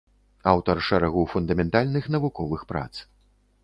Аўтар шэрагу фундаментальных навуковых прац.